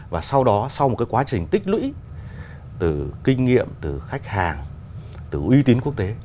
và sau đó sau một cái quá trình tích lũy từ kinh nghiệm từ khách hàng từ uy tín quốc tế